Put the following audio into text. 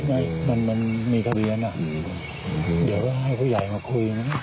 เดี๋ยวมันมีทะเบียนอ่ะเดี๋ยวให้ผู้ใหญ่มาคุยมันอ่ะ